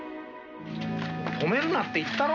止めるなって言ったろ？